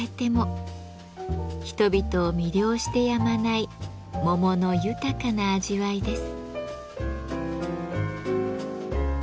人々を魅了してやまない桃の豊かな味わいです。